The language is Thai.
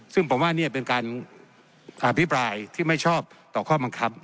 ซึ่งผมว่านี่เป็นการอภิปรายที่ไม่ชอบต่อข้อบังคับ